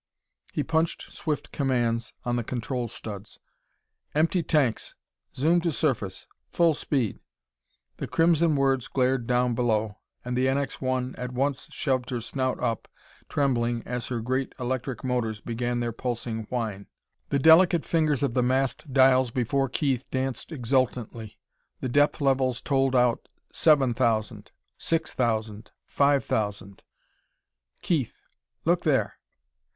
He punched swift commands on the control studs. "Empty Tanks, Zoom to Surface, Full Speed," the crimson words glared down below, and the NX 1 at once shoved her snout up, trembling as her great electric motors began their pulsing whine. The delicate fingers of the massed dials before Keith danced exultantly. The depth levels tolled out: "Seven thousand ... six thousand ... five thousand " "Keith! Look there!"